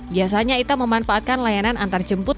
biasanya ita memanfaatkan layanan antarjemput